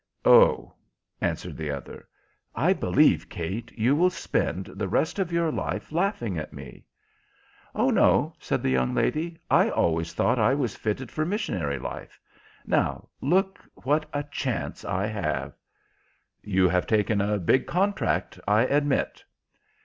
"Oh," answered the other. "I believe, Kate, you will spend the rest of your life laughing at me." "Oh no," said the young lady, "I always thought I was fitted for missionary life. Now, look what a chance I have." "You have taken a big contract, I admit."